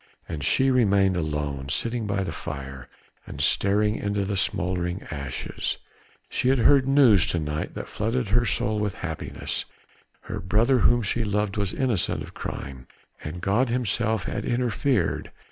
And she remained alone, sitting by the fire, and staring into the smouldering ashes. She had heard news to night that flooded her soul with happiness. Her brother whom she loved was innocent of crime, and God Himself had interfered.